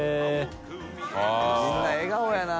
◆舛叩みんな笑顔やな。